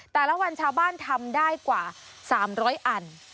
แต่ละวันชาวบ้านทำได้กว่า๓๐๐อัน